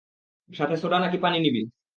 সাথে সোডা নাকি পানি নিবি?